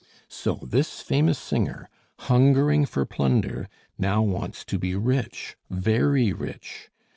"So this famous singer, hungering for plunder, now wants to be rich, very rich.